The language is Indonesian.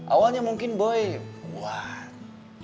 awalnya mungkin boy buat